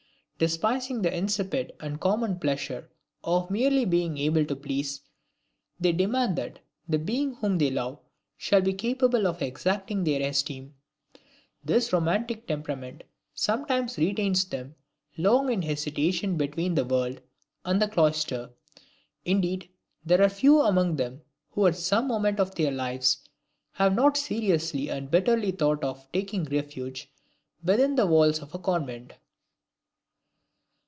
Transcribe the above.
Despising the insipid and common pleasure of merely being able to please, they demand that the being whom they love shall be capable of exacting their esteem. This romantic temperament sometimes retains them long in hesitation between the world and the cloister. Indeed, there are few among them who at some moment of their lives have not seriously and bitterly thought of taking refuge within the walls of a convent.